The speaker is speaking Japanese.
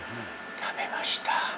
食べました。